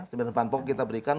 sembilan pampung kita berikan